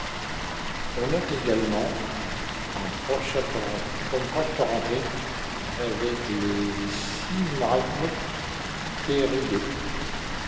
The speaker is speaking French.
On note également une proche parenté avec les sinraptoridés.